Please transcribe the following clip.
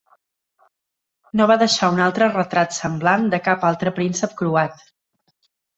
No va deixar un altre retrat semblant de cap altre príncep croat.